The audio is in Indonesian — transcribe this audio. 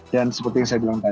dan seperti yang saya bilang